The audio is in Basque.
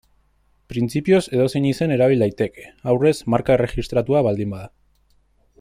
Printzipioz edozein izen erabil daiteke, aurrez marka erregistratua baldin bada.